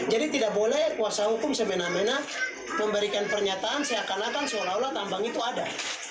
jadi tidak boleh kuasa hukum semena mena memberikan pernyataan seakan akan seolah olah tambang itu ada